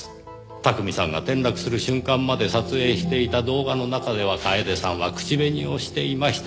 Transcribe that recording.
巧さんが転落する瞬間まで撮影していた動画の中では楓さんは口紅をしていました。